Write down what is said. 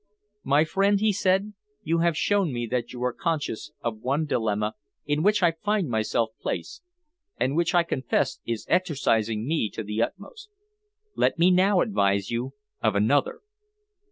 "My friend," he said, "you have shown me that you are conscious of one dilemma in which I find myself placed, and which I confess is exercising me to the utmost. Let me now advise you of another.